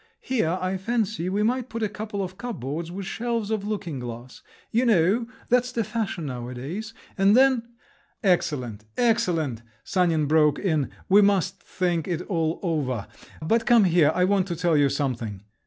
Here, I fancy we might put a couple of cupboards with shelves of looking glass. You know, that's the fashion nowadays. And then …" "Excellent, excellent," Sanin broke in, "we must think it all over…. But come here, I want to tell you something."